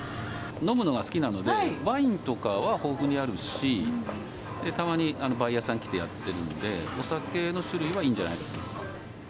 飲むのが好きなので、ワインとかは豊富にあるし、たまにバイヤーさん来てやってるんで、お酒の種類はいいんじゃないですか。